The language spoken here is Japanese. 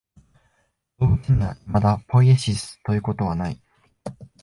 動物にはいまだポイエシスということはない。